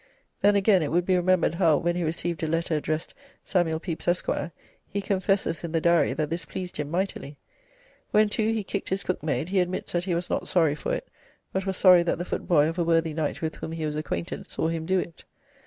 Then, again, it would be remembered how, when he received a letter addressed 'Samuel Pepys, Esq.,' he confesses in the Diary that this pleased him mightily. When, too, he kicked his cookmaid, he admits that he was not sorry for it, but was sorry that the footboy of a worthy knight with whom he was acquainted saw him do it.